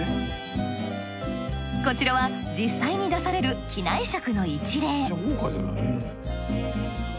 こちらは実際に出される機内食の一例。